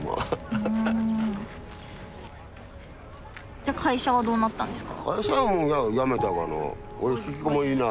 じゃ会社はどうなったんですか？